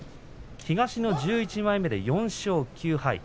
東の１１枚目で４勝９敗